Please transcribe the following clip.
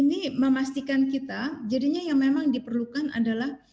dan ini memastikan kita jadinya yang memang diperlukan adalah